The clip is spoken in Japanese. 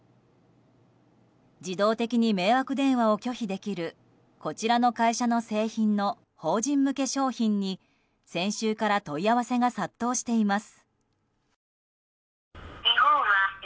自動的に迷惑電話を拒否できるこちらの会社の製品の法人向け商品に、先週から問い合わせが殺到しています。